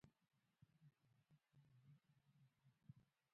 افغانستان د هندوکش په اړه علمي څېړنې لري.